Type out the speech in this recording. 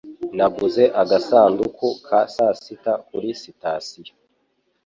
Naguze agasanduku ka sasita kuri sitasiyo.